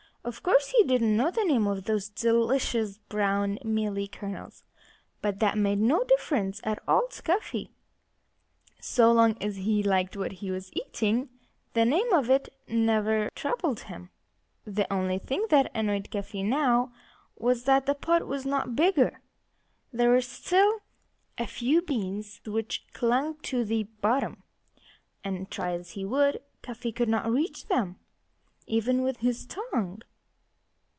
Of course, he didn't know the name of those delicious, brown, mealy kernels. But that made no difference at all to Cuffy. So long as he liked what he was eating the name of it never troubled him. The only thing that annoyed Cuffy now was that the pot was not bigger. There were still a few beans which clung to the bottom; and try as he would, Cuffy could not reach them, even with his tongue.